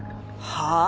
はあ？